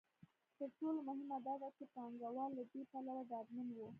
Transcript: تر ټولو مهمه دا ده چې پانګوال له دې پلوه ډاډمن وو.